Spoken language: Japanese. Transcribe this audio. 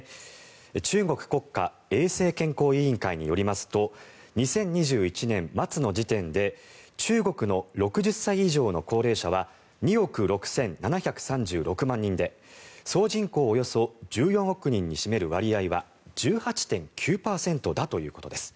中国国家衛生健康委員会によりますと２０２１年末の時点で中国の６０歳以上の高齢者は２億６７３６万人で総人口およそ１４億人に占める割合は１８．９％だということです。